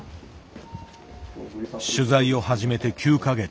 取材を始めて９か月。